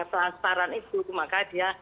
selangkaran itu maka dia